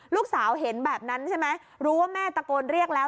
ลูกสาวเห็นแบบนั้นใช่ไหมรู้ว่าแม่ตะโกนเรียกแล้ว